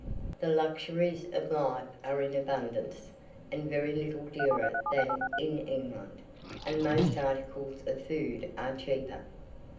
The luxuries of life are in abundance, and very little dearer than in England, and most articles of food are cheaper.